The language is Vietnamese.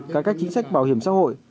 cải cách chính sách bảo hiểm xã hội